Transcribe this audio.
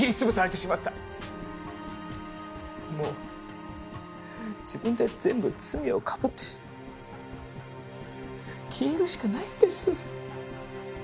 もう自分で全部罪をかぶって消えるしかないんです。